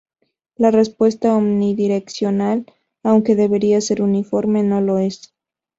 La respuesta omnidireccional, aunque debería ser uniforme, no lo es.